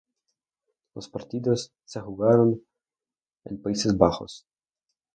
Los partidos se jugaron en Países Bajos.